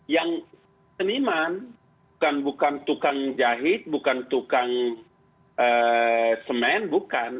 yang seniman bukan bukan tukang jahit bukan tukang semen bukan